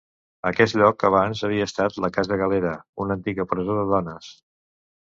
Aquest lloc abans havia estat la Casa Galera, una antiga presó de dones.